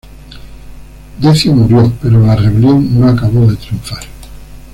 Decio murió, pero la rebelión no acabó de triunfar.